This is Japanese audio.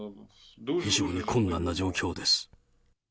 非常に困難な状況です。